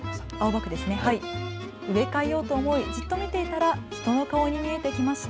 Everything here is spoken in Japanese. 植え替えようと思いじっと見ていたら人の顔に見えてきました。